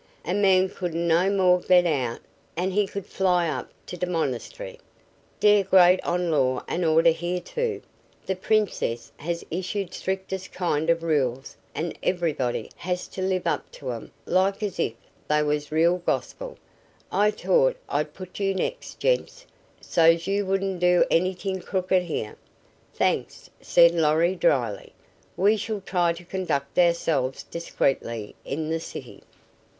A man couldn't no more get out 'n' he could fly up to d' monastery. Dey're great on law an' order here, too. D' Princess has issued strictest kind of rules an' everybody has to live up to 'em like as if dey was real gospel. I t'ought I'd put you next, gents, so's you wouldn't be doin' anyt'ing crooked here." "Thanks," said Lorry, drily. "We shall try to conduct ourselves discreetly in the city."